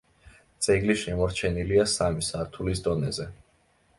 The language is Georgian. ძეგლი შემორჩენილია სამი სართულის დონეზე.